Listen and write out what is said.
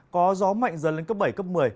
có gió mạnh dần lên cấp bảy cấp một mươi